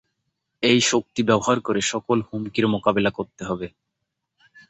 এই শক্তি ব্যবহার করে সকল হুমকির মোকাবিলা করতে হবে।